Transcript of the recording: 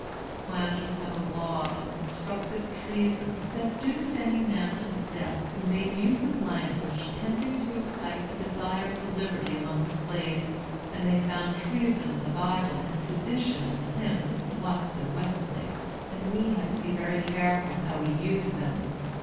The planters had a law of 'constructive treason,' that doomed any man to death who made use of language tending to excite a desire for liberty among the slaves; and they found treason in the Bible and sedition in the hymns of Watts and Wesley, and we had to be very careful how we used them.